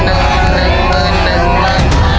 แล้วโบนัสหลังตู้หมายเลขหนึ่งว่า